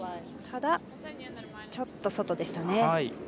ただ、ちょっと外でした。